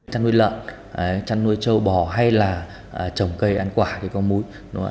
trăn nuôi lợn trăn nuôi trâu bò hay là trồng cây ăn quả thì có múi